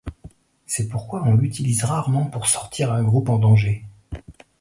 C'est pourquoi on l'utilise rarement pour sortir un groupe en danger.